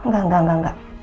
enggak enggak enggak enggak